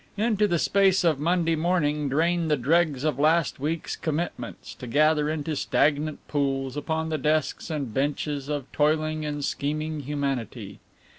Into the space of Monday morning drain the dregs of last week's commitments to gather into stagnant pools upon the desks and benches of toiling and scheming humanity.